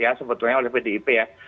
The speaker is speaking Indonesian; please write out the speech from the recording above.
ya sebetulnya oleh pdip ya